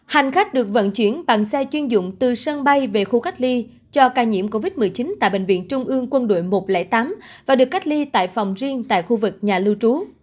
hành khách được vận chuyển bằng xe chuyên dụng từ sân bay về khu cách ly cho ca nhiễm covid một mươi chín tại bệnh viện trung ương quân đội một trăm linh tám và được cách ly tại phòng riêng tại khu vực nhà lưu trú